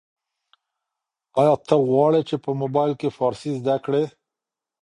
ایا ته غواړې چي په موبایل کي فارسي زده کړې؟